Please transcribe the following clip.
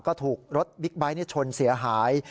ก็ถูกรถบิ๊กไบท์ชนเสียหาย